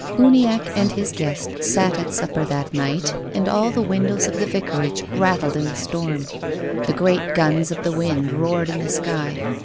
Uniacke and his guest sat at supper that night, and all the windows of the Vicarage rattled in the storm. The great guns of the wind roared in the sky.